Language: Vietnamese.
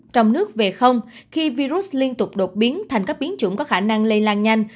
trong nước về không khi virus liên tục đột biến thành các biến chủng có khả năng lây lan nhanh